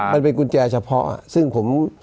มันเป็นกุญแจเฉพาะซึ่งผม